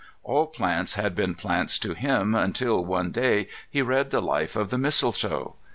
All plants had been plants to him until, one day, he read the life of the mistletoe.